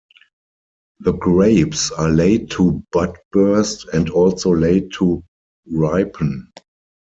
The grapes are late to bud burst and also late to ripen.